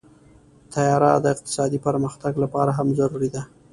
طیاره د اقتصادي پرمختګ لپاره هم ضروري ده.